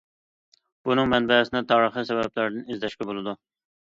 بۇنىڭ مەنبەسىنى تارىخىي سەۋەبلەردىن ئىزدەشكە بولىدۇ.